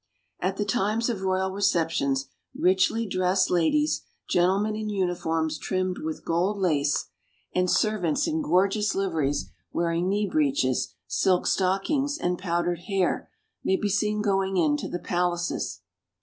At the times of royal receptions richly dressed ladies, gentlemen in uniforms trimmed with gold lace, and serv yS ENGLAND. ants in gorgeous liveries wearing knee breeches, silk stockings, and powdered hair, may be seen going into the palaces.